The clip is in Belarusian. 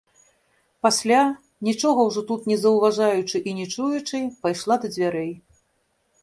Пасля, нічога ўжо тут не заўважаючы і не чуючы, пайшла да дзвярэй.